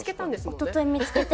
おととい見つけて。